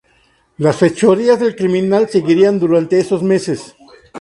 Las fechorías del criminal seguirían durante esos meses.